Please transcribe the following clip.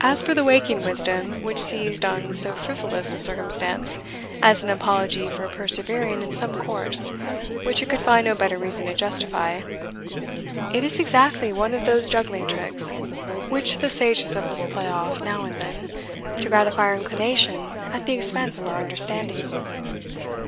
As for the waking wisdom which seized on so frivolous a circumstance as an apology for persevering in some course which it could find no better reason to justify, it is exactly one of those juggling tricks which the sagest of us play off now and then, to gratify our inclination at the expense of our understanding."